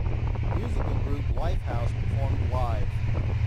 Musical group Lifehouse performed live.